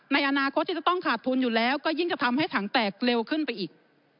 ในอนาคตที่จะต้องขาดทุนอยู่แล้วก็ยิ่งจะทำให้ถังแตกเร็วขึ้นไปอีก